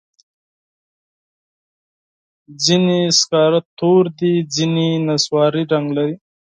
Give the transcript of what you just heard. ځینې سکاره تور دي، ځینې نسواري رنګ لري.